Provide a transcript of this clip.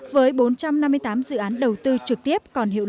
với bốn trăm năm mươi tám dự án đầu tư trực tiếp